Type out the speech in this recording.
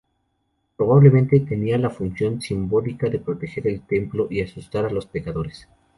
Probablemente, tenían la función simbólica de proteger el templo y asustar a los pecadores.